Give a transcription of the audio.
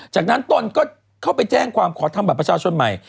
จากนั้นตนก็เข้าไปแจ้งความขอทำบัตรประชาชนใหม่